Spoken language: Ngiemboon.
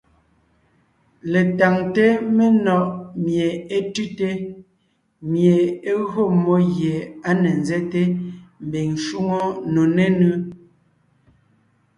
Letáŋte menɔ̀ʼ mie é tʉ́te, mie é gÿo mmó gie á ne nzɛ́te mbiŋ shwóŋo nò nénʉ́.